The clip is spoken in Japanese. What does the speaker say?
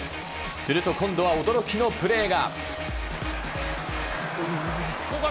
すると今度は驚きのプレーが。